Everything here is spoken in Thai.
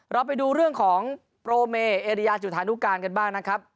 เราไปดูเรื่องของโปรเมเอริยาจุธานุการกันบ้างนะครับ